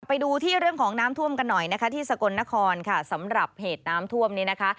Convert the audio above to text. ไปดูที่เรื่องของน้ำท่วมกันหน่อยนะคะที่สกลนครค่ะสำหรับเหตุน้ำท่วมนี้นะคะ